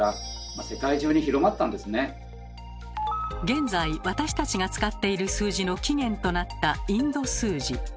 現在私たちが使っている数字の起源となったインド数字。